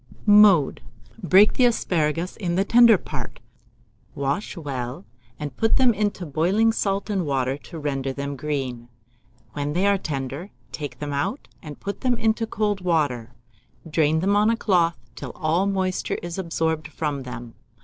Mode. Break the asparagus in the tender part, wash well, and put them into boiling salt and water to render them green. When they are tender, take them out, and put them into cold water; drain them on a cloth till all moisture is absorbed from them.